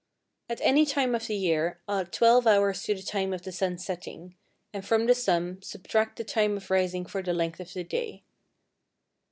= At any time of the year add 12 hours to the time of the sun's setting, and from the sum subtract the time of rising for the length of the day.